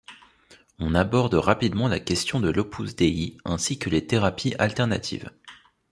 On aborde rapidement la question de l’Opus Dei ainsi que les thérapies alternatives.